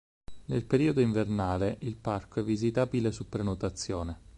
Nel periodo invernale il parco è visitabile su prenotazione.